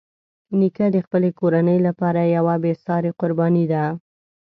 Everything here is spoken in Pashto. نیکه د خپلې کورنۍ لپاره یوه بېساري قرباني ده.